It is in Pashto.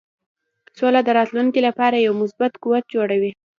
سوله د راتلونکې لپاره یو مثبت قوت جوړوي.